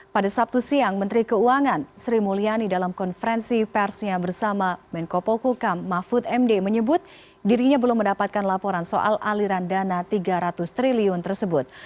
pada sabtu siang menteri keuangan sri mulyani dalam konferensi persnya bersama menko pohukam mahfud md menyebut dirinya belum mendapatkan laporan soal aliran dana tiga ratus triliun tersebut